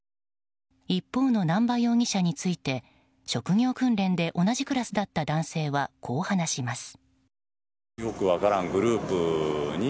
一方の南波容疑者について職業訓練で同じクラスだった男性はこう話します。